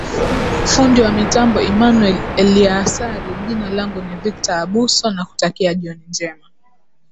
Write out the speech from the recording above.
fundi wa mitambo emmanuel eliasari jina langu ni victor abuso nakutakia jioni njema